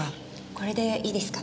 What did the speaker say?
これでいいですか？